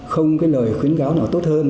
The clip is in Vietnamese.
không cái lời khuyến cáo nào tốt hơn